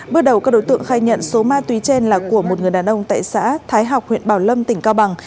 bước đầu các đối tượng khai nhận số ma túy trên là của một người đàn ông tại xã thái học huyện bảo lâm tỉnh cao bằng